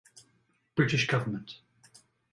British govt.